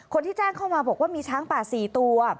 คนที่แจ้งเข้ามาบอกว่ามีช้างป่า๔ตัว